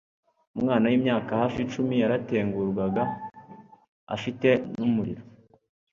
Umwana wimyaka hafi icumi yaratengurwaga afite numuriro